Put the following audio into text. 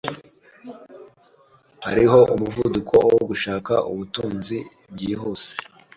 hariho umuvuduko wo gushaka ubutunzi byihuse